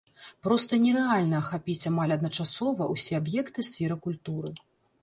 Проста нерэальна ахапіць амаль адначасова ўсе аб'екты сферы культуры.